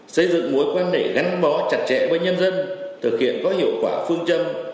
xây dựng mối quan hệ gắn bó chặt chẽ với nhân dân thực hiện có hiệu quả phương châm